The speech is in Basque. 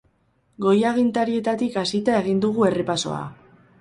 Goi agintarietatik hasita egin dugu errepasoa.